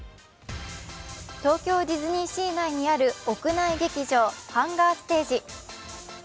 東京ディズニーシー内にある屋内劇場、ハンガーステージ。